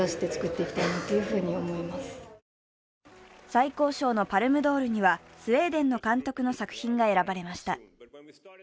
最高賞のパルムドールにはスウェーデンの監督の作品が選ばれました。